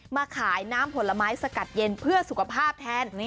มาขายน้ำผลไม้สกัดเย็นเพื่อสุขภาพแทน